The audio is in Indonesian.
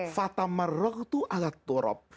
fatamar itu alat turop